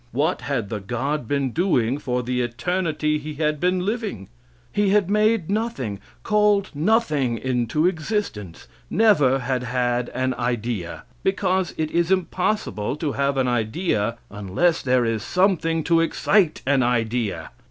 What had the God been doing for the eternity He had been living? He had made nothing called nothing into existence; never had had an idea, because it is impossible to have an idea unless there is something to excite an idea.